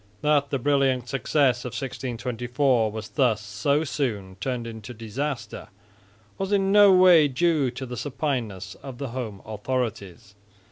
That the brilliant success of 1624 was thus so soon turned into disaster was in no way due to the supineness of the home authorities.